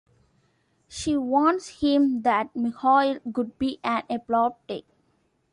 She warns him that Mikhail could be an epileptic.